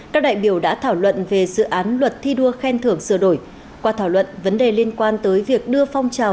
các đại biểu đã thảo luận về dự án luật thi đua khen thưởng sửa đổi qua thảo luận vấn đề liên quan tới việc đưa phong trào